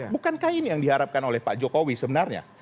bukankah ini yang diharapkan oleh pak jokowi sebenarnya